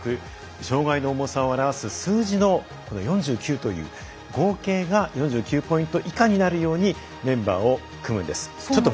障がいの重さを表す数字のこの４９という合計が４９ポイント以下になるようにメンバーを組むんです。